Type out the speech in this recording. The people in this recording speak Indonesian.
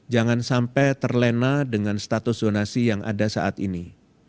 jangan sampai terlena dengan status zonasi yang ada saat ini